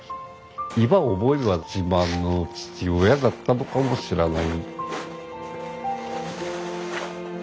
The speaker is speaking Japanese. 今思えば自慢の父親だったのかもしれない。